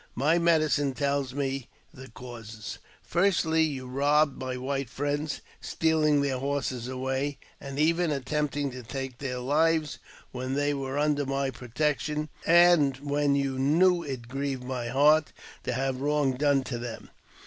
My medicine tells me the causes. Firstly, you robbed my white friends, stealing their horses away, and even attempting to take their lives when they were under my protection, and when you knew it grieved my heart to have wrong done to them.